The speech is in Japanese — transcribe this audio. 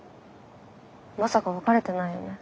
まさか別れてないよね？